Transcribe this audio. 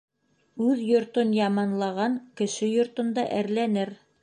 Үҙ йортон яманлаған кеше йортонда әрләнер.